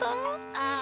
ああ。